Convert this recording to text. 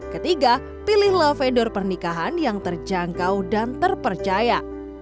ketiga pilih love vendor pernikahan yang terjangkau dan terpercaya